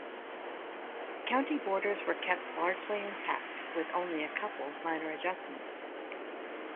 County borders were kept largely intact, with only a couple minor adjustments.